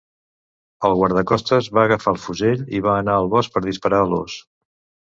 El guardacostes va agafar el fusell i va anar al bosc per disparar a l'os.